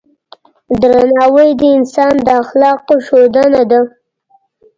درناوی د انسان د اخلاقو ښودنه ده.